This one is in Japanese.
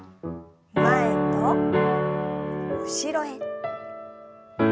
前と後ろへ。